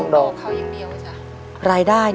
ส่งดอกเข้าอย่างเดียวจ้ะ